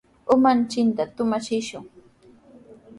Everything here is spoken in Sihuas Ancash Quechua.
Umanchikta tumachishun.